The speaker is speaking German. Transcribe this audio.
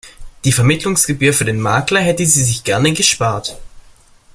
Die Vermittlungsgebühr für den Makler hätte sie sich gerne gespart.